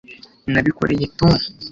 nabikoreye tom